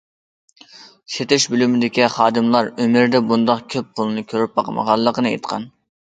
سېتىش بۆلۈمىدىكى خادىملار ئۆمرىدە بۇنداق كۆپ پۇلنى كۆرۈپ باقمىغانلىقىنى ئېيتقان.